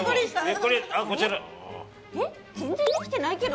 えっ全然できてないけど。